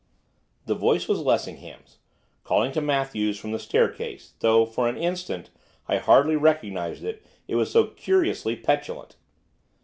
The voice was Lessingham's, calling to Matthews from the staircase, though, for an instant, I hardly recognised it, it was so curiously petulant.